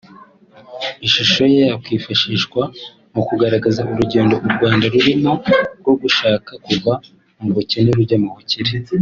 Ishusho ye yakwifashishwa mu kugaragaza urugendo u Rwanda rurimo rwo gushaka kuva mu bukene rujya mu bukire